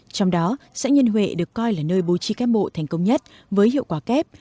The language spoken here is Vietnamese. trong đó xã nhân huệ được coi là nơi bố trí các bộ thành công nhất với hiệu quả kép